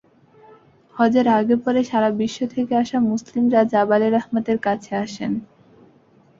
হজের আগে-পরে সারা বিশ্ব থেকে আসা মুসলিমরা জাবালে রহমতের কাছে আসেন।